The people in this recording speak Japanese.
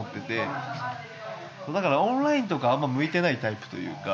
だからオンラインとかあんまり向いてないタイプというか。